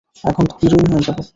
এখন তো হিরোইন হয়ে যাবে।